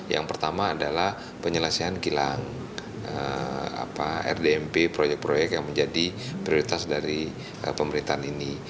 yang pertama adalah penyelesaian kilang rdmp proyek proyek yang menjadi prioritas dari pemerintahan ini